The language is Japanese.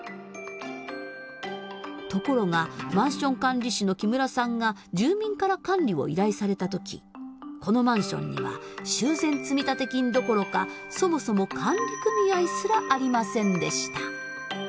ところがマンション管理士の木村さんが住民から管理を依頼された時このマンションには修繕積立金どころかそもそも管理組合すらありませんでした。